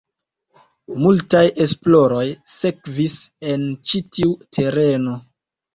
Multaj esploroj sekvis en ĉi tiu tereno.